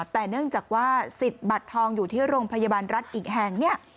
แต่เนื่องจากว่าสิทธิ์บัตรทองอยู่ที่โรงพยาบาลรัฐอีกแห่งเนี่ย